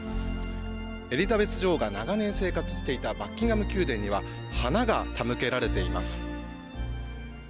エリザベス女王が長年生活していたバッキンガム宮殿には花が手向けられています。